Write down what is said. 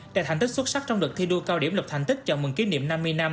đạt thành tích xuất sắc trong đợt thi đua cao điểm lập thành tích chào mừng kỷ niệm năm mươi năm